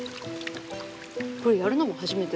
これやるのも初めてだっけ？